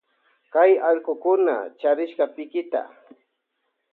Kay allukuna charishka pikita.